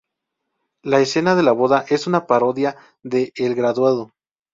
La escena de la boda es una parodia de "El Graduado".